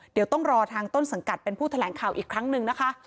เดี๋ยวต้องรอทางต้นสังกัดเป็นผู้แถลงข่าวอีกครั้งหนึ่งนะคะ